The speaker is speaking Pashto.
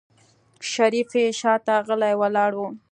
شريف يې شاته غلی ولاړ و.